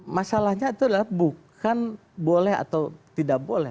masalahnya itu adalah bukan boleh atau tidak boleh